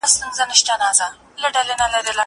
زه بازار ته تللی دی!